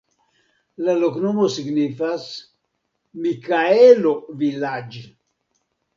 La loknomo signifas: Mikaelo-vilaĝ'.